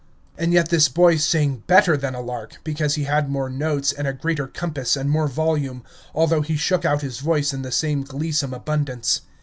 And yet this boy sang better than a lark, because he had more notes and a greater compass and more volume, although he shook out his voice in the same gleesome abundance.